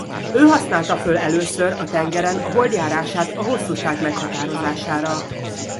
Ő használta föl először a tengeren a hold járását a hosszúság meghatározására.